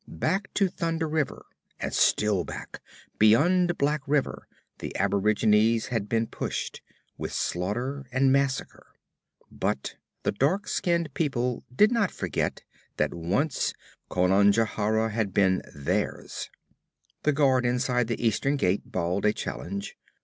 Back to Thunder River, and still back, beyond Black River the aborigines had been pushed, with slaughter and massacre. But the dark skinned people did not forget that once Conajohara had been theirs. The guard inside the eastern gate bawled a challenge.